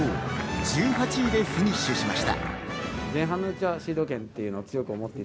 １８位でフィニッシュしました。